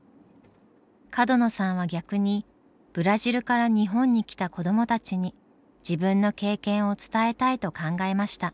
角野さんは逆にブラジルから日本に来た子どもたちに自分の経験を伝えたいと考えました。